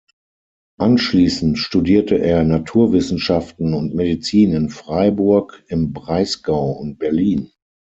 Anschließend studierte er Naturwissenschaften und Medizin in Freiburg im Breisgau und Berlin.